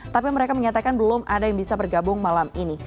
tapi mereka menyatakan belum ada yang bisa bergabung malam ini